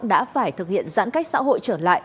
đã phải thực hiện giãn cách xã hội trở lại